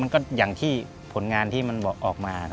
อย่างที่ผลงานที่มันบอกออกมา